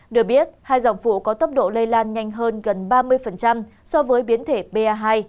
được biết hai dòng vụ có tốc độ lây lan nhanh hơn gần ba mươi so với biến thể pa hai